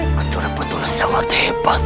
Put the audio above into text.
betul betul sangat hebat